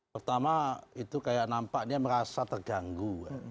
pertama itu kayak nampaknya merasa terganggu